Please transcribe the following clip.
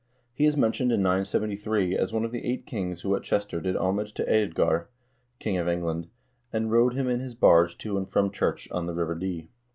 He is mentioned in 973 as one of the eight kings who at Chester did homage to Eadgar, king of England, and rowed him in his barge to and from church on the river Dee.